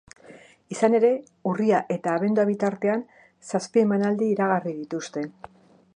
Izan ere, urria eta abendua bitartean zazpi emanaldi iragarri dituzte.